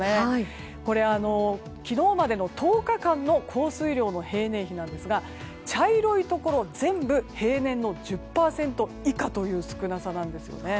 これ、昨日までの１０日間の降水量の平年比なんですが茶色いところは全部平年の１０％以下という少なさなんですね。